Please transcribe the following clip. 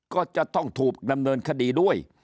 ก็จะต้องถูกดำเนินคดีด้วย